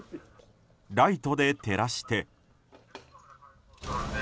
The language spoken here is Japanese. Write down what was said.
ライトで照らして。